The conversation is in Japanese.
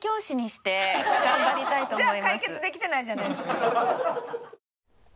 じゃあ解決できてないじゃないですか。